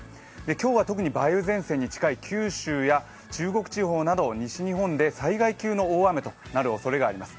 今日は特に梅雨前線に近い九州や中国地方など西日本で災害級の大雨となるおそれがあります。